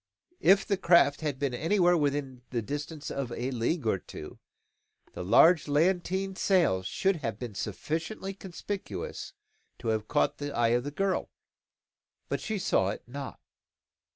If the craft had been anywhere within the distance of a league or two, the large lateen sail should have been sufficiently conspicuous to have caught the eye of the girl. But she saw it not.